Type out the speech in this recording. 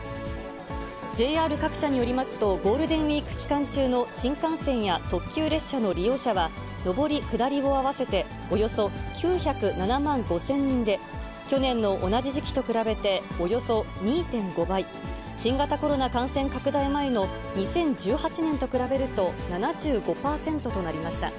ＪＲ各社によりますと、ゴールデンウィーク期間中の新幹線や特急列車の利用者は、上り・下りを合わせておよそ９０７万５０００人で、去年の同じ時期と比べておよそ２．５倍、新型コロナ感染拡大前の２０１８年と比べると７５％となりました。